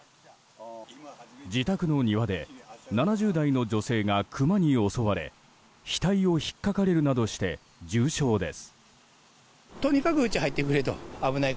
自宅の庭で７０代の女性がクマに襲われ額をひっかかれるなどして重傷です。